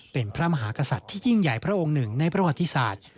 เป็นพระมหากษัตริย์ที่ยิ่งใหญ่พระองค์หนึ่งในประวัติศาสตร์